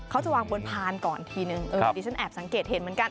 เขาจะวางบนพานก่อนทีนึงเออดิฉันแอบสังเกตเห็นเหมือนกัน